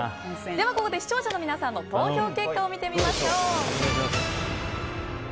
ここで視聴者の皆さんの投票結果を見てみましょう。